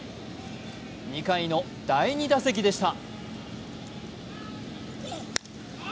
２回の第２打席でした。